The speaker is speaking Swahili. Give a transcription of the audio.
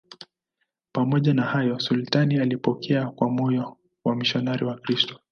Pamoja na hayo, sultani alipokea kwa moyo wamisionari Wakristo.